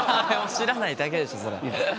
知らないだけでしょそれ。